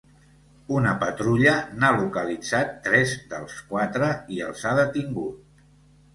Una patrulla n'ha localitzat tres dels quatre i els ha detingut.